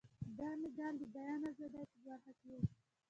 دا مډال د بیان ازادۍ په برخه کې و.